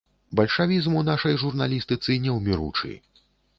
Бальшавізм у нашай журналістыцы неўміручы.